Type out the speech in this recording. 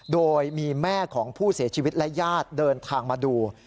โดยมีแม่ของผู้เสียชีวิตและญาติเดินทางมาดู